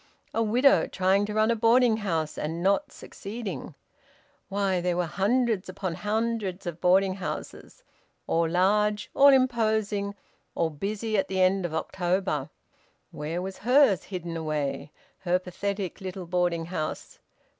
A widow, trying to run a boarding house and not succeeding! Why, there were hundreds upon hundreds of boarding houses, all large, all imposing, all busy at the end of October! Where was hers hidden away, her pathetic little boarding house?